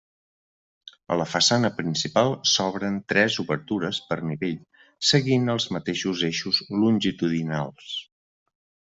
A la façana principal s'obren tres obertures per nivell seguint els mateixos eixos longitudinals.